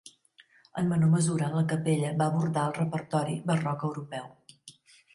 En menor mesura, la capella va abordar el repertori barroc europeu.